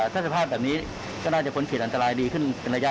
ถ้าสภาพแบบนี้ก็น่าจะค้นผลผิดอันตรายดีขึ้น